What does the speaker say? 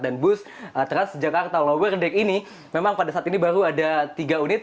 dan bus transjakarta lower deck ini memang pada saat ini baru ada tiga unit